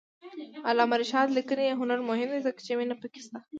د علامه رشاد لیکنی هنر مهم دی ځکه چې مینه پکې شته.